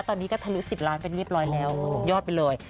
ตอนนี้ก็ทะลุ๑๐ล้านเป็นเรียบร้อยแล้วสุดยอดไปเลย